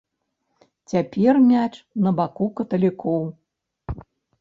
Цяпер мяч на баку каталікоў.